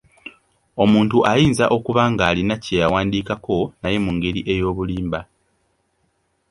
Omuntu ayinza okuba ng’alina kye yawandiikako naye mu ngeri ey’obulimba.